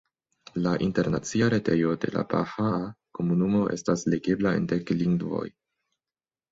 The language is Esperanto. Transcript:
La internacia retejo de la bahaa komunumo estas legebla en dek lingvoj.